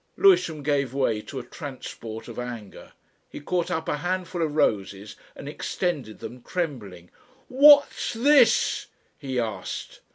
Lewisham gave way to a transport of anger. He caught up a handful of roses and extended them, trembling. "What's this?" he asked.